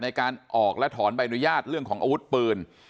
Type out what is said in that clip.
ในการออกและถอนใบอนุญาตเรื่องของอาวุธปืน